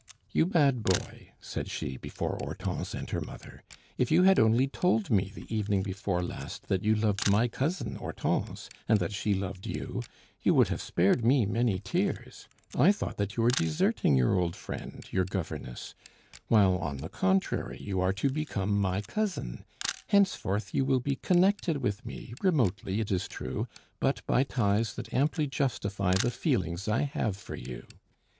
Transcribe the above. "You bad boy!" said she, before Hortense and her mother, "if you had only told me the evening before last that you loved my cousin Hortense, and that she loved you, you would have spared me many tears. I thought that you were deserting your old friend, your governess; while, on the contrary, you are to become my cousin; henceforth, you will be connected with me, remotely, it is true, but by ties that amply justify the feelings I have for you."